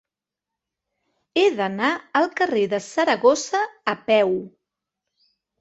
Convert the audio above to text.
He d'anar al carrer de Saragossa a peu.